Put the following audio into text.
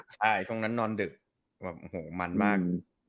ใช่ตรงนั้นนอนดึกมันมาก